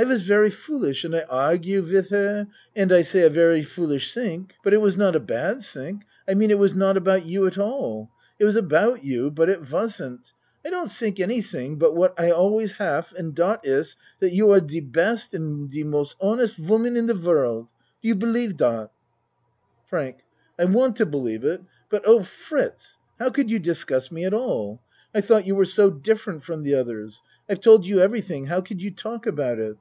I was very foolish and I argue wid her and I say a very foolish ting but it was not a bad ting I mean it was not about you at all. It was about you but it wasn't. I don't tink anything but what I always haf and dot iss dot you are de best and most honest woman in de world. Do you believe dot? FRANK I want to believe it but, Oh, Fritz, how could you discuss me at all? I tho't you were so different from the others. I've told you every thing. How could you talk about it?